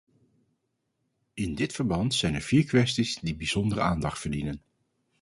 In dit verband zijn er vier kwesties die bijzondere aandacht verdienen.